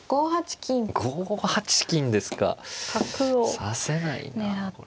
指せないなこれ。